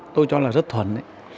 tôi cho là rất thuần ấy